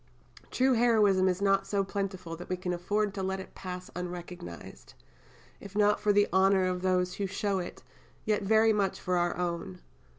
True heroism is not so plentiful that we can afford to let it pass unrecognized if not for the honour of those who show it, yet very much for our own.